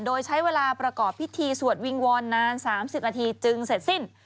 โดยใช้เวลาประกอบพิธีสวดวิงวอนนาน๓๐นาทีจึงเสร็จสิ้น